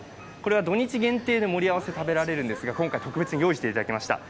土日限定で盛り合わせが食べられるんですが、今回、特別に用意していただきました。